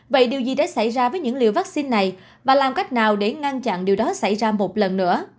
vậy điều gì đã xảy ra với những liều vaccine này và làm cách nào để ngăn chặn điều đó xảy ra một lần nữa